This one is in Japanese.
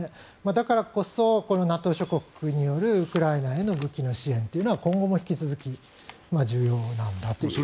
だからこそＮＡＴＯ諸国によるウクライナへの武器の支援というのは今後も引き続き重要なんだと思います。